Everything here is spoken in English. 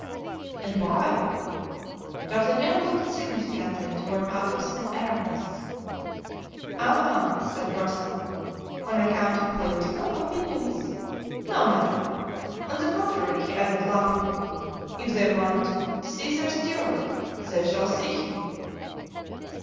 "And why?" D'Artagnan looked significantly toward Athos and Aramis. "Aha," said Groslow; "on account of political opinions? No matter. On the contrary," he added, laughing, "if they want to see their Stuart they shall see him.